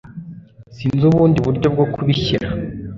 Sinzi ubundi buryo bwo kubishyira.